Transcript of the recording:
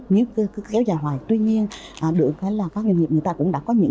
nhưng các doanh nghiệp vẫn tăng